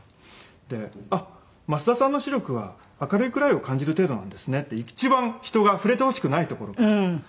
で「あっ増田さんの視力は明るいくらいを感じる程度なんですね」って一番人が触れてほしくないところからこられて。